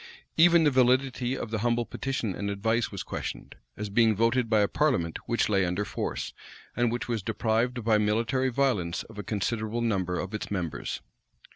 Even the validity of the humble petition and advice was questioned, as being voted by a parliament which lay under force, and which was deprived by military violence of a considerable number of its members.